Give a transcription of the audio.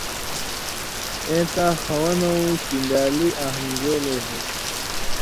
اېں تاں خوانؤں چیندالی آں ہمزولئ ہو تھی۔